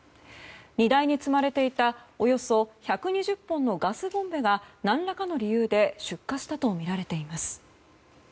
荷台に積まれていたおよそ１２０本のガスボンベが何らかの理由で出火したとみられています。